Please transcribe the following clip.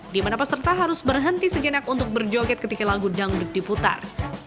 di mana peserta harus berhenti sejenak untuk berjoget ketika lagu dangdut diputar